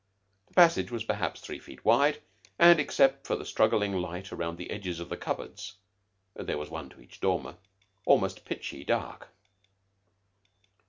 The passage was perhaps three feet wide, and, except for the struggling light round the edges of the cupboards (there was one to each dormer), almost pitchy dark.